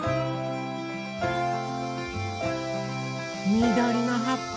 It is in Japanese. みどりのはっぱ